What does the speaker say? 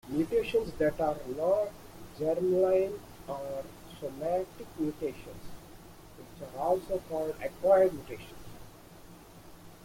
Mutations that are not "germline" are somatic mutations, which are also called "acquired mutations".